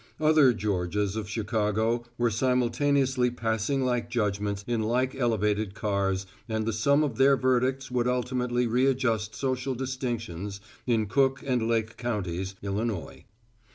Other Georgias of Chicago were simultaneously passing like judgments in like elevated cars and the sum of their verdicts would ultimately readjust social distinctions in Cook and Lake counties, Illinois.